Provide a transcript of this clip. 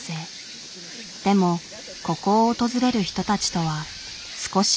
でもここを訪れる人たちとは少し目的が違うという。